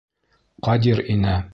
Ҡадир инә.